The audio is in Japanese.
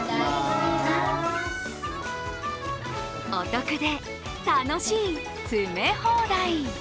お得で楽しい詰め放題。